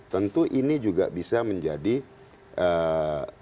tentu ini juga bisa menjadi ee